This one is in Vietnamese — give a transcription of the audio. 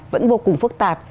vẫn vô cùng phức tạp